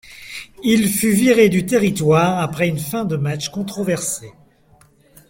Il fut viré du territoire après une fin de match controversée.